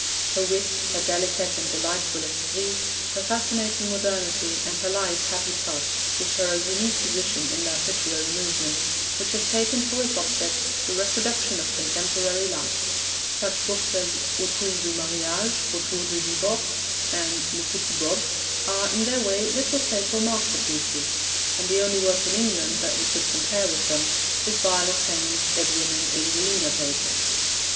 Her wit, her delicate and delightful esprit, her fascinating modernity, and her light, happy touch, give her a unique position in that literary movement which has taken for its object the reproduction of contemporary life. Such books as Autour du Mariage, Autour du Divorce, and Le Petit Bob, are, in their way, little playful masterpieces, and the only work in England that we could compare with them is Violet Fane's Edwin and Angelina Papers.